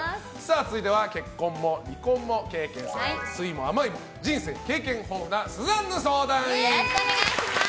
続いては結婚も離婚も経験された酸いも甘いも人生経験豊富なスザンヌ相談員。